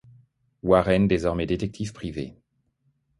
Warren désormais détective privée.